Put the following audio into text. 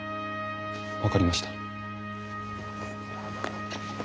分かりました。